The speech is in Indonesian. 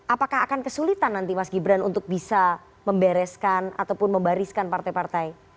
apakah akan kesulitan nanti mas gibran untuk bisa membereskan ataupun membariskan partai partai